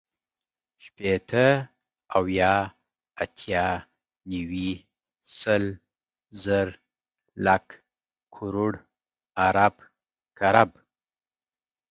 شپېته، اويا، اتيا، نيوي، سل، زر، لک، کروړ، ارب، کرب